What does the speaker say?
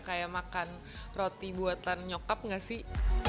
kayak makan roti buatan nyokap gak sih